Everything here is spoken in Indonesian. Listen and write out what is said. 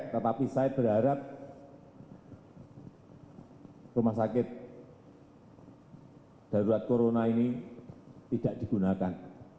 tetapi saya berharap rumah sakit darurat corona ini tidak digunakan